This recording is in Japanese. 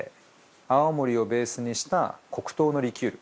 泡盛をベースにした黒糖のリキュール？